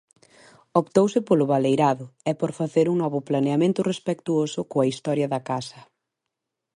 Optouse polo baleirado e por facer un novo planeamento respectuoso coa historia da casa.